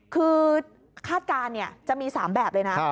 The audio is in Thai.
คือคาดการณ์จะมี๓แบบเลยนะ